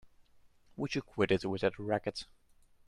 Would you quit it with that racket!